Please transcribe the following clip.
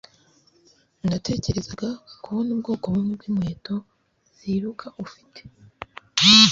Natekerezaga kubona ubwoko bumwe bwinkweto ziruka ufite